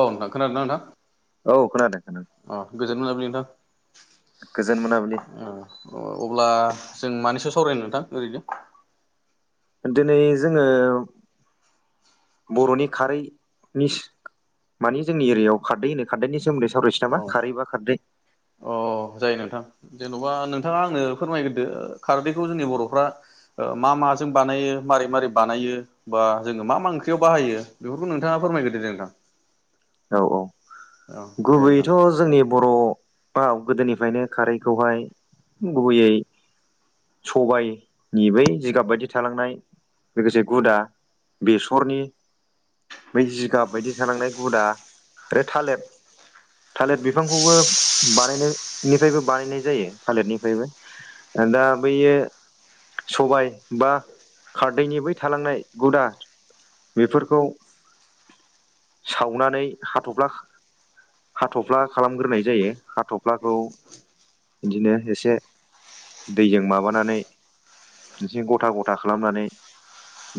औ नोंथां। खोनादोंना नोंथां? औ खोनादों खोनादों अ गोजोन मोनाबिलि नोंथां। गोजोन मोनाबिलि। ओ अब्ला जों मानि सावरायनो नोंथां ओरैनो दिनै जोङो बर'नि खारै नि मानि जोंनि एरियायाव खारदै होनो खारदैनि सोमोन्दै सावरायसै नामा! औ खारै बा खारदै अ जायो नोंथां। जेन'बा नोंथाङा आंनो फोरमायग्रोदो खारदैखौ जोंनि बर'फ्रा ओ मा माजों बानायो मारै मारै बानायो! बा जोङो मा मा ओंख्रियाव बाहायो बेफोरखौ नोंथाङा फोरमायग्रोदो दे नोंथां। औ औ औ दे नोंथां गुबैयैथ' जोंनि बर'आव गोदोनिफ्रायनो खारैखौहाय गुबैयै सबायाइ नि बै जिगाब बायदि थालांनाय लोगोसे गुदा बेसरनि, बै जिगाब बायदि थालांनाय गुदा आरो थालेर थालेर बिफांखौबो बानायनायनिफ्रायबो बानायनाय जायो थालेरनिफ्रायबो दा बैयो सबाय बा खारदैनि बै थालांनाय गुदा बेफोरखौ सावनानै हाथ'फ्ला हाथफ्ला खालामग्रोनाय जायो हाथ'फ्लाखौ इदिनो एसे दैजों माबानानै एसे गथा गथा खालामनानै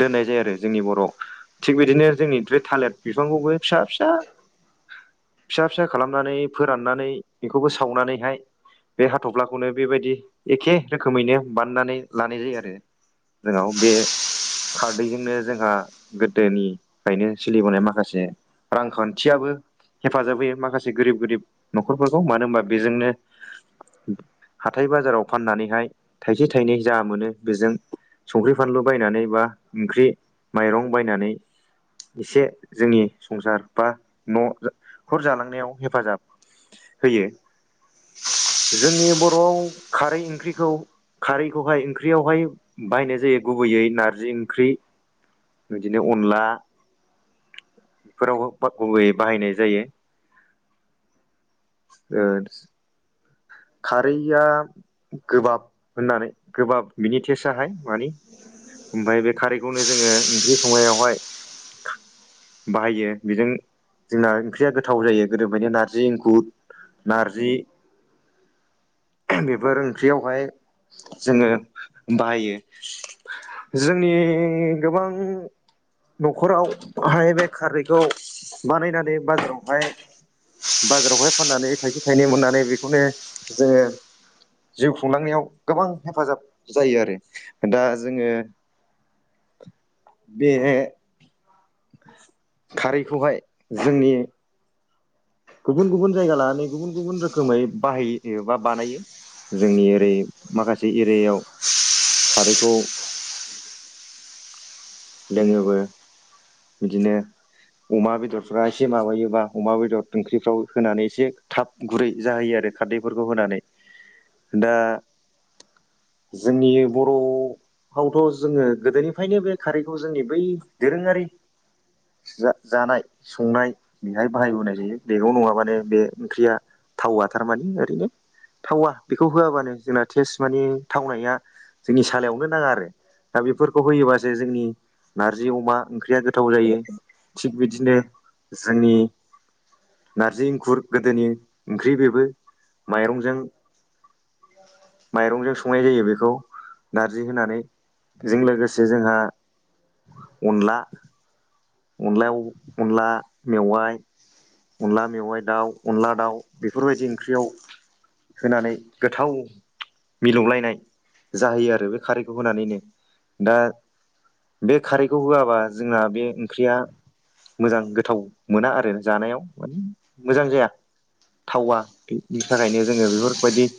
दोननाय जायो आरो जोंनि बर' थिग बिदिनो जोंनि बे थालिर बिफांखौबो फिसा फिसा फिसा फिसा खालामनानै फोराननानै बेखौबो सावनानैहाय बे हाथफ्लाखौनो बेबायदि एखे रोखोमैनो बानायनानै लानाय जायो आरो जोंनाव बे खारदैजोंनो जोंहा गोदोनिफ्रायनो सोलिबोनाय माखासे रांखा न्थियाबो हेफाजाब होयो माखासे गोरिब गोरिब न'खरफोरखौ मानो होनबा बेजोंनो हाथाय बाजाराव फाननानैहाय थाइसे थाइनै जा मोनो बेजों संख्रि फानलु बायनानै बा ओंख्रि माइरं बायनानै एसे जोंनि संसार बा न' खर जालांनायाव हेफाजाब होयो जोंनि बर'आव खारै ओंख्रिखौ खारैखौहाय ओंख्रियावहाय बाहायनाय जायो गुबैयै नारजि ओंख्रि बिदिनो अनला फोरावबो गुबैयै बाहायनाय जायो ओ खारैआ गोबाब होननानै गोबाब बिनि टेस्टाहाय माने ओमफ्राय बे खारैखौनो जोङो ओंख्रि संनायावहाय बाहायो बेजों जोंना ओंख्रिया गोथाव जायो गोदोनिफ्रायनो नारजि एंखुर नारजि बेफोर ओंख्रियावहाय जोङो बाहायो जोंनि गोबां न'खरावहाय बे खारैखौ बानायनानै बाजारावहाय बाजारावहाय फाननानै थाइसे थाइनै मोननानै बेखौनो जोङो जिउ खुंलांनायाव गोबां हेफाजाब जायो आरो दा जोङो बे खारैखौहाय जोंनि गुबुन गुबुन जायगा लानानै गुबुन गुबुन रोखोमै बाहायो बा बानायो जोंनि ओरै माखासे एरियायाव खारैखौ लोङोबो बिदिनो अमा बेदरफ्रा एसे माबायोबा अमा बेदर ओंख्रिफ्राव होनानै एसे था गुरै जाहोयो आरो खारदैफोरखौ होनानै दा जोंनि बर'आवथ' जोङो गोदोनिफ्रायनो बे खारैखौ जोंनि बै दोरोङारि जा-जानाय संनाय बेहाय बाहायबोनाय जायो बेगाव नङाबानो बे ओंख्रिया थावा थारमाने ओरैनो थावा बेखौ होआबानो जोंना टेस्ट माने थावनाया जोंनि सालायावनो नाङा आरो दा बेफोरखौ होयोबा जेरै जोंनि नारजि अमा ओंख्रिया गोथाव जायो थिग बिदिनो जोंनि नारजि इंखुर गोदोनि ओंख्रि बेबो माइरंजों माइरंजों संनाय जायो बेखौ। नारजि होनानै बेजों लोगोसे जोंहा अनला अनलायाव अनला मेवाइ अनला मेवाइ दाउ अनला दाउ बेफोरबायदि ओंख्रियाव होनानै गोथाव मिलौलायनाय जाहैयो आरो बे खारैखौ होनानैनो दा बे खारैखौ होआबा जोंना बे ओंख्रिया मोजां गोथाव मोना आरो जानायाव। मोजां जाया थावा बेनि थाखायनो जोङो बेफोरबायदि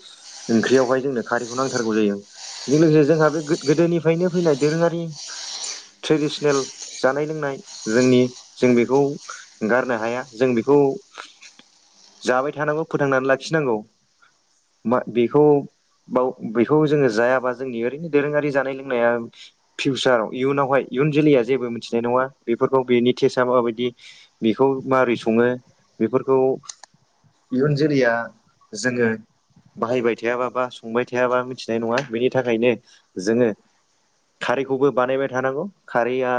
ओंख्रियावहाय जोंनो खारैखौ नांथारगौ जायो। जों लोगोसे जोंहा बे गोदोनिफ्रायनो फैनाय दोरोङारि ट्रेडिसनेल जानाय लोंनाय जोंनि जों बेखौ गारनो हाया। जों बेखौ जाबाय थानांगौ फोथांनानै लाखिनांगौ। मा बेखौ बाव बेखौ जोङो जायाबा जोंनि ओरैनो दोरोङारि जानाय लोंनाया फिउसाराव इयुनावहाय इयुन जोलैया जेबो मिथिनाय नङा बेफोरखौ बेनि टेस्टआ माबायदि। बेखौ मारै सङो बेफोरखौ इयुन जोलैया जोङो बाहायबाय थायाबा बा संबाय थायाबा मिथिनाय नङा बेनि थाखायनो जोङो खारैखौबो बानायबाय थानांगौ खारैया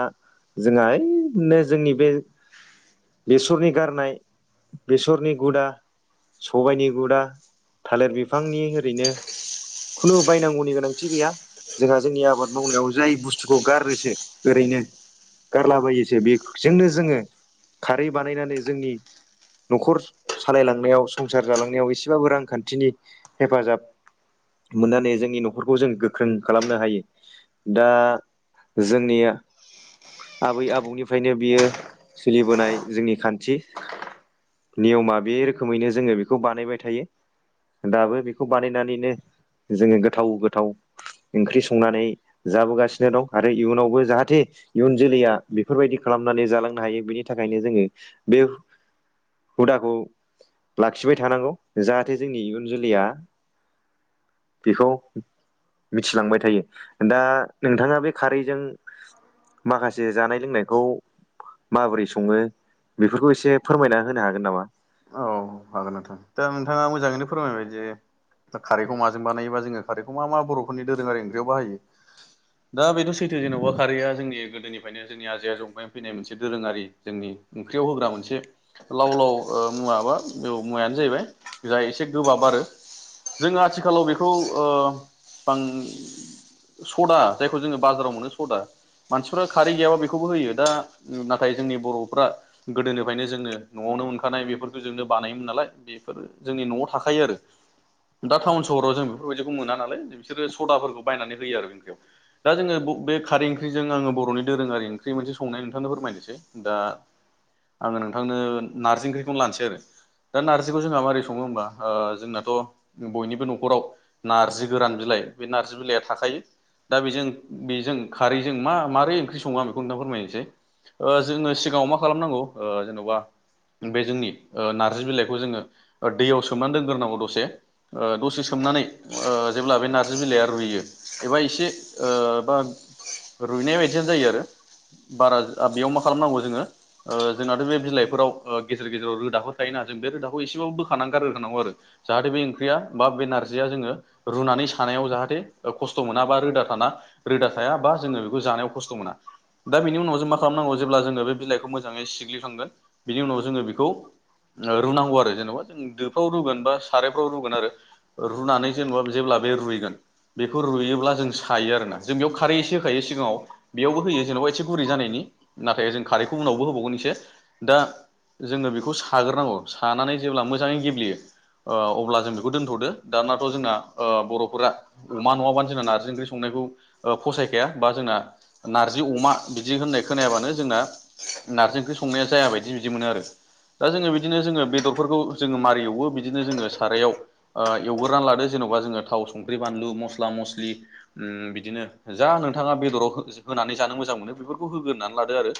जोंहा ओइनो जोंनि बे बेसरनि गारनाय बेसरनि गुदा सबायनि गुदा थालिर बिफांनि ओरैनो खुनु बायनांगौनि गोनांथि गैया। जोंहा जोंनि आबाद मावनायाव जाय बुस्थुखौ गारोसो ओरैनो गारलाबायोसो बेजोंनो जोङो खारै बानायनानै जोंनि न'खर सालायलांनायाव संसार जालांनायाव एसेबाबो रांखान्थिनि हेफाजाब मोननानै जोंनि न'खरखौ जों गोख्रों खालामनो हायो। दा जोंनिया आबै आबौनिफ्रायनो बियो सोलिबोनाय जोंनि खान्थि नियमा बे रोखोमैनो जोङो बेखौ बानायबाय थायो। दाबो बेखौ बानायनानैनो जोङो गोथाव गोथाव ओंख्रि संनानै जाबोगासिनो दं आरो इयुनावबो जाहाथे इयुन जोलैया बेफोरबायदि खालामनानै जालांनो हायो बेनि थाखायनो जोङो बे हुदाखौ लाखिबाय थानांगौ जाहाथे जोंनि इयुन जोलैया बेखौ मिथिलांबाय थायो दा नोंथाङा बे खारैजों माखासे जानाय लोंनायखौ माबोरै सङो बेफोरखौ एसे फोरमायना होनो हागोन नामा? औ हागोन नोंथां दा नोंथाङा मोजाङैनो फोरमायबाय जे दा खारदैखौ माजों बानायोबा जोङो खारदैखौ मा मा बर'फोरनि दोरोङारि ओंख्रियाव बाहायो। दा बेथ' सैथो जेनेबा खारिया जोंनि गोदोनिफ्रायनो जोंनि आजै आजौनिफ्राय फैनाय मोनसे दोरोङारि जोंनि ओंख्रियाव होग्रा मोनसे लाव लाव मुवा बा बे मुवायानो जाहैबाय जोंहा एसे गोबाब आरो। जोङो आथिखालाव बेखौ ओ बां सदा जायखौ जोङो बाजाराव मोनो सदा मानसिफ्रा खारदै गैयाबा बेखौबो होयो दा नाथाय जोंनि बर'फ्रा गोदोनिफ्रायनो जोङो न'आवनो मोननाय थाखानाय बेफोरखौ जोंनो बानायोमोन नालाय बेफोरो जोंनि न'आव थाखायो आरो। दा टाउन सहराव जों बेफोरबायदिखौ मोना नालाय बिसोरो सदाफोरखौ बायनानै होयो आरो ओंख्रियाव। दा जोङो बे खारदै ओंख्रिजों आङो बर'नि दोरोङारि ओंख्रि मोनसे संनाय नोंथांनो फोरमायनोसै दा आङो नोंथांनो नारजि ओंख्रिखौनो लानोसै आरो। दा नारजिखौ जोंहा माबोरै सङो होमबा ओ जोंनाथ' बयनिबो न'खराव नारजि गोरान बिलाइ बे नारजि बिलाइया थाखायो। दा बेजों बेजों खारदैजों मा मारै ओंख्रि सङो आं बेखौ नोंथांनो फोरमायनोसै ओ जोङो सिगाङाव मा खालामनांगौ जेन'बा बे जोंनि नारजि बिलाइखौ जोङो दैयाव सोमनानै दोनग्रोनांगौ दसे ओ दसे सोमनानै जेब्ला बे नारजि बिलाइया रुइयो। एबा एसे बा रुइनाय बायदियानो जायो आरो। बारा बेयाव मा खालामनांगौ जोङो जोंनाथ' बे बिलाइफोराव गेजेर गेजेराव रोदाफोर थायोना जों बे रोदाखौ एसेबाबो बोखारना गारगोरखानांगौ आरो। जाहाथे बे ओंख्रिया बा बे नारजिया जोङो रुनानै सानायाव जाहाथे खस्थ' मोना बा रोदा थाना रोदा थाया बा जोङो बेखौ जानायाव खस्थ' मोना। दा बिनि उनाव जों मा खालामनांगौ जेब्ला जोङो बे बिलाइखौ मोजाङै सिग्लिखांगोन बिनि उनाव जोङो बेखौ रुनांगौ आरो जेनेबा जों दोफ्राव रुगोन बा सारायफ्राव रुगोन आरो। रुनानै जेनेबा जेब्ला बे रुइगोन बेखौ रुयोब्ला जों सायो आरोना जों बेयाव खारै एसे होखायो सिगाङाव बेयावबो होयो जेनेबा एसे गुरै जानायनि नाथाय जों खारैखौ उनावबो होबावगोन एसे दा जोङो बेखौ साग्रोनांगौ सानानै जेब्ला मोजाङै गेब्लेयो अब्ला जों बेखौ दोनथ'दो दानाथ' जोंना बर'फोरा अमा नङाबानो जोंना नारजि ओंख्रि संनायखौ फसायखाया बा जोंना नारजि अमा बिदि होननाय खोनायाबानो जोंना नारजि ओंख्रि संनाया जाया बायदि बिदि मोनो आरो दा जोङो बिदिनो जोङो बेदरफोरखौ जोङो मारै एवो बिदिनो जोङो सारायाव एवगोरनानै लादो जेन'बा जोङो थाव संख्रि बानलु मस्ला मस्लि बिदिनो जा नोंथाङा बेदराव होनानै जानो मोजां मोनो बेफोरखौ होग्रोनानै लादो आरो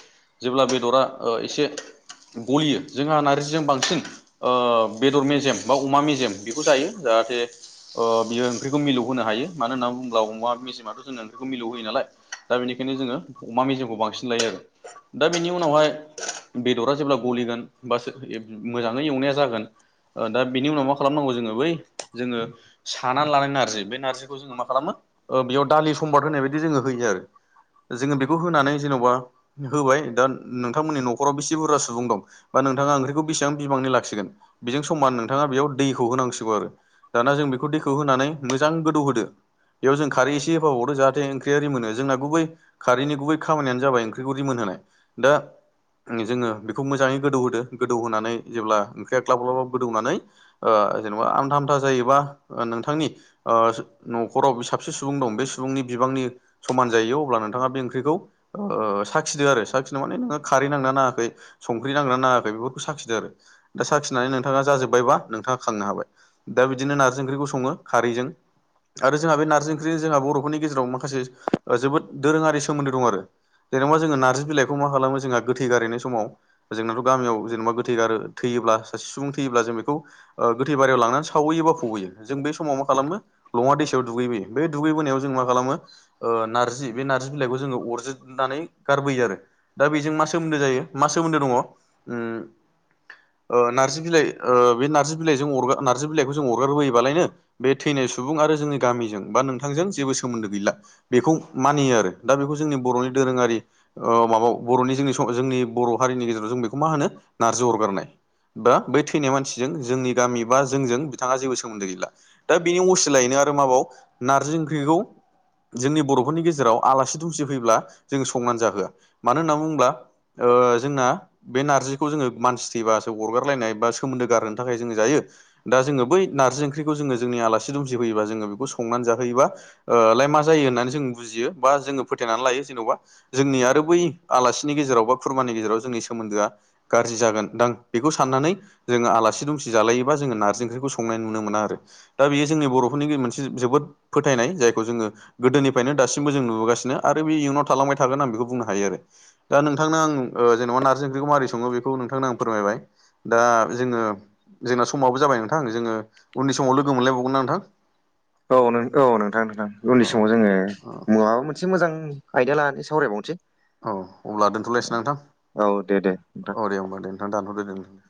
जेब्ला बेदरा एसे गलियो जोंहा नार्जिजों बांसिन ओ बेदर मेजेम बा अमा मेजेम बेखौ जायो जाहाथे ओ बियो ओंख्रिखौ मिलौ होनो हायो मानो होननानै बुङोब्ला अमा मेजेमाथ' जोंनो ओंख्रिखौ मिलौ होयो नालाय दा बेनिखायनो जोङो अमा मेजेमखौ बांसिन लायो आरो दा बिनि उनावहाय बेदरा जेब्ला गलिगोन बा मोजाङै एवनाया जागोन। दा बिनि उनाव मा खालामनांगौ जोङो बै जोङो। सानानै लानाय नारजि बे नारजिखौ जोङो मा खालामो बेयाव दालि सम्बार होनाय बायदि जोङो होयो आरो जोङो बेखौ होनानै जेन'बा होबाय दा नोंथांमोननि न' खखराव बेसे बुरजा सुबुं दं बा नोंथाङा ओंख्रिखौ बेसेबां बिबांनि लाखिगोन। बेजों समान नोंथाङा बेयाव दैखौ होनांसिगौ आरो दाना जों बेखौ दैखौ होनानै मोजां गोदौ होदो बेयाव जों खारै एसे होफाब हरो जाहाथे ओंख्रि आररि मोनो जोंना गुबै खारैनि गुबै खामानियानो जाबाय ओंख्रिखौ रिमोनहोनाय दा जोङो बेखौ मोजाङै गोदौ होदो गोदौ होनानै जेब्ला ओंख्रिया ग्लाब ग्लाबा गोदौनानै ओ जेनेबा आमथा आमथा जायोबा नोंथांनि ओ न'खराव बे साबसे सुबुं दं बे सुबुंनि बिबांनि समान जायो अब्ला नोंथाङा बे ओंख्रिखौ ओ साखिदो आरो साखिनो माने नोङो खारै नांनानै। नाङाखै संख्रि नांगना नाङाखै बेफोरखौ साखिदों आरो दा साखिनानै नोंथाङा जाजोब्बायबा नोंथाङा खांनो हाबाय। दा बिदिनो नारजि ओंख्रिखौ सङो खारैजों आरो जोंहा बे नारजि ओंख्रिनि जोंहा बर'फोरनि गेजेराव माखासे जोबोद दोरोङारि सोमोन्दो दं आरो जेनेबा जोङो नारजि बिलाइखौ मा खालामो जोंहा गोथै गारैनाय समाव जोंनाथ' गामियाव जेनेबा गोथै गारो थैयोब्ला सासे सुबुं थैयोब्ला जों बेखौ ओ गोथै बारियाव लांनानै सावैयो बा फौयो जों बे समाव मा खालामनो लङा दैसायाव दुगैबोयो बे दुगैबोनायाव जों मा खालामो। ओ नारजि बे नारजि बिलाइखौ जोङो अरजोबनानै गारबोयो आरो दा बेजों मा सोमोन्दो जायो मा सोमोन्दो दङ ओम ओ नारजि बिलाइ ओ बे नार्जि बिलाइजों नारजि बिलाइखौ जों अरगारबोयोबालायनो। बे थैनाय सुबुं आरो जोंनि गामिजों बा नोंथांजों जेबो सोमोन्दो गैला। बेखौ मानियो आरो दा बेखौ जोंनि बर'नि दोरोङारि ओ माबा बर'नि जोंनि जोंनि बर' हारिनि गेजेराव जों बेखौ मा होनो नारजि अरगारनाय बा बै थैनाय मानसिजों जोंनि गामि बा जोंजों बिथाङा जेबो सोमोन्दो गैला। दा बेनि असिलायैनो आरो माबाव नारजि ओंख्रिखौ जोंनि बर'फोरनि गेजेराव आलासि दुमसि फैब्ला जों संनानै जाहोआ मानो होननानै बुङोब्ला। ओ जोंना बे नारजिखौ जोङो मानसि थैबासो अरगारलायनाय बा सोमोन्दो गारो थाखाय जोङो जायो। दा जोङो बैारजि ओंख्रिखौ जोङोोंनि आलासि दुमसि फयोबा जोङो बेखौ संनानै जाहोयोबा ओ लाय मा जायो होननानै जों बुजियो बा जोङो फोथायनानै लायो जेनेबा जोंनि आरो बै आलासिनि गेजेराव बा खुरमानि गेजेराव जोंनि सोमोन्दोआ। गाज्रि जागोनां बेखौ साननानै जोङो आलासि दुमसि जालायोबा जोंङो नारजि ओंख्रिखौ संनाय नुनो मोना आरो दा बेयो जोंनि बर'फोरनि मोनसे जोबोद फोथायनाय जायखौ जोंङो। गोदोनिफ्रायनो दासिमबो जों नुबोगासिनो आरो बे इयुनाव थालांबाय थागोन आं बेखौ बुंनो हायो आरो दा नों थांनो आं जेन'बा नारजि ओंख्रिखौ माबोरै सङो बेखौ नोंथांनो आं फोरमायबाय दा जोङो जोंना समाबो जाबाय नोंथां जोङो उननि समाव लोगो मोनलायबावगोन ना नोंथां। औ नो औ नोंथां नोंथां औ उननि समाव जोङो औ मुवा मो से मोजां आयदया लानानै सावरायबावनोसै औ अब्ला दोनथ'लायसै ना नोंथां औ दे दे नोंथां औ दे होमबा दे नोंथां दानथ'दो दोनथ' दे